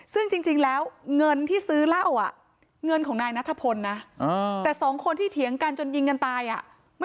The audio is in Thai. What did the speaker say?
ซึ่งจริงแล้วเงินที่ซื้อเหล้าเงินของนายนัททะพลนะ